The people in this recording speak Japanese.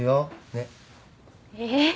ねっ？えっ？